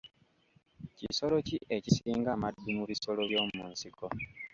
Kisolo ki ekisinga amaddu mu bisolo by'omu nsiko?